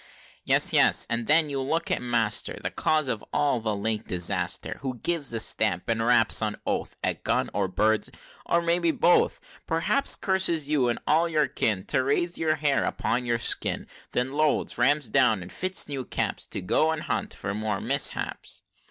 "Yes! yes! and then you look at master, The cause of all the late disaster, Who gives a stamp, and raps on oath At gun, or birds, or maybe both; P'rhaps curses you, and all your kin, To raise the hair upon your skin! Then loads, rams down, and fits new caps, To go and hunt for more miss haps!"